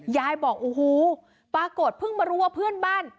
ยายบอกโอ้โหปรากฏเพิ่งมารู้ว่าเพื่อนบ้าน